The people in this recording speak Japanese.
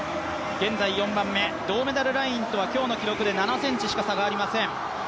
現在４番目、銅メダルラインとは今日の記録で７ｃｍしか差がありません。